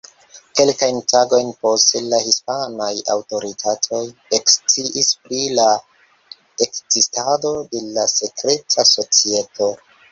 Kelkajn tagojn poste la hispanaj aŭtoritatoj eksciis pri la ekzistado de la sekreta societo.